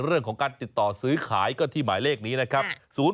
เรื่องของการติดต่อซื้อขายก็ที่หมายเลขนี้นะครับ